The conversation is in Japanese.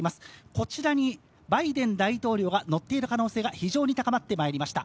こちらにバイデン大統領が乗っている可能性が非常に高まってまいりました。